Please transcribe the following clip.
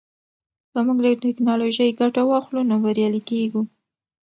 که موږ له ټیکنالوژۍ ګټه واخلو نو بریالي کیږو.